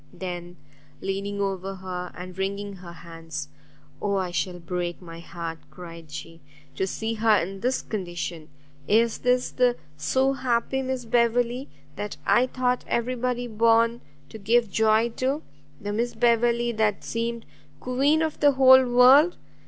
Then, leaning over her, and wringing her hands, "Oh I shall break my heart," she cried, "to see her in this condition! Is this the so happy Miss Beverley, that I thought every body born to give joy to? the Miss Beverley that seemed queen of the whole world!